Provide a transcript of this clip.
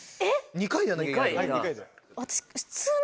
２回だな。